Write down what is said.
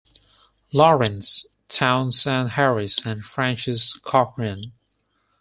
Lawrence, Townsend Harris, and Francis Cochran.